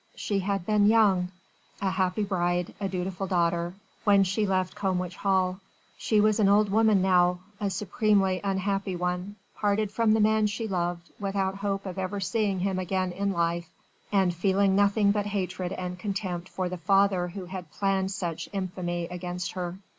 She had been young a happy bride, a dutiful daughter when she left Combwich Hall. She was an old woman now, a supremely unhappy one, parted from the man she loved without hope of ever seeing him again in life, and feeling nothing but hatred and contempt for the father who had planned such infamy against her.